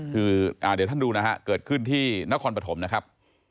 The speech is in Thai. คือเดี๋ยวท่านดูนะฮะเกิดขึ้นที่นครปฐมนะครับ